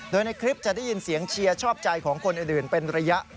โดยในคลิปจะได้ยินเสียงเชียร์ชอบใจของคนอื่นเป็นระยะ